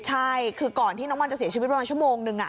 ใช่คือก่อนที่น้องมันจะเสียชีวิตประมาณชั่วโมงนึง